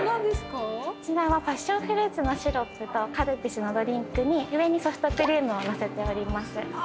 こちらはパッションフルーツのシロップとカルピスのドリンクに上にソフトクリームをのせております。